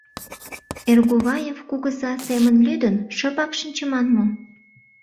Эргуваев кугыза семын лӱдын, шыпак шинчыман мо?